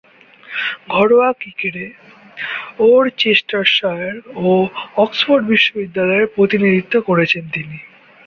ঘরোয়া ক্রিকেটে ওরচেস্টারশায়ার ও অক্সফোর্ড বিশ্ববিদ্যালয়ের প্রতিনিধিত্ব করেছেন তিনি।